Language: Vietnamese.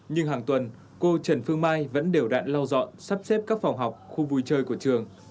nhưng hàng tuần cô trần phương mai vẫn đều đạn lau dọn sắp xếp các phòng học khu vui chơi của trường